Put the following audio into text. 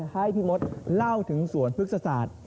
ให้พี่มธรรมดิ์เล่าถึงสวนธุรกษศาสตร์แห่งนี้หน่อยค่ะ